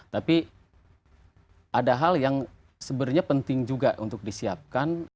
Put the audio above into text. tapi ada hal yang sebenarnya penting juga untuk disiapkan